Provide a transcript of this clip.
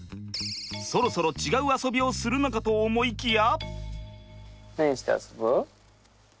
そろそろ違う遊びをするのかと思いきや。